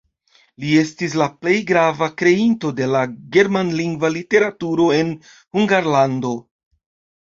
Li estis la plej grava kreinto de la germanlingva literaturo en Hungarlando.